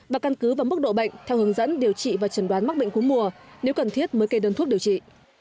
và căn cứ và mức độ bệnh theo hướng dẫn điều trị và trần đoán mắc bệnh cúm mùa nếu cần thiết mới kê đơn thuốc điều trị